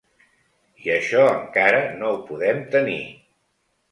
I això encara no ho podem tenir.